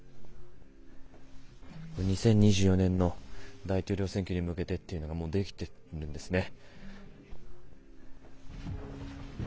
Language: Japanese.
これ、２０２４年の大統領選挙に向けてっていうのがもう出来てるんですね。